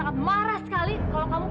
kamu kok di jakarta mil